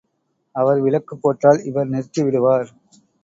அவர் விளக்கு போட்டால் இவர் நிறுத்தி விடுவார்.